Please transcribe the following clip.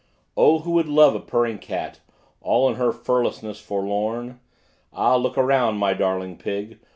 O! who would love a purring cat, all in her furlessness forlorn. Ah, look around my darling pig!